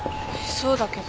そうだけど。